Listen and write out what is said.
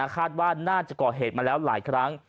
คาดว่าน่าจะก่อเหตุมาแล้วหลายครั้ง